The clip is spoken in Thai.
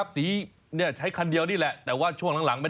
สีละเกินเดี๋ยวจะจดไว้